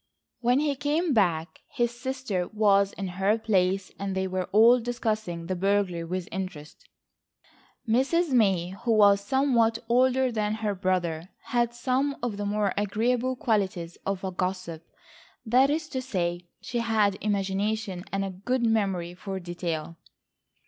When he came back his sister was in her place and they were all discussing the burglary with interest. Mrs. May, who was somewhat older than her brother, had some of the more agreeable qualities of a gossip, that is to say she had imagination and a good memory for detail.